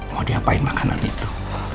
mau diapain makanan itu